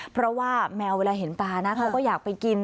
เพราะว่าแมวเวลาเห็นปลานะเขาก็อยากไปกิน